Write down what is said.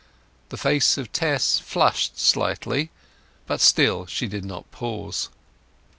The face of Tess flushed slightly, but still she did not pause.